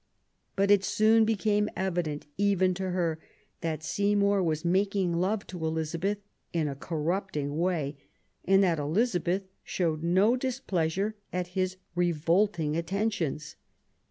But it soon became evident, even to her, that Seymour was making love to Elizabeth in a corrupting way, and that Elizabeth showed no displeasure at his revolting attentions.